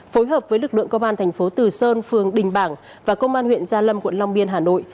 phối hợp với lực lượng công an thành phố từ sơn phường đình bảng và công an huyện gia lâm quận long biên hà nội